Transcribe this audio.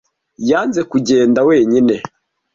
Yanze kugenda wenyine.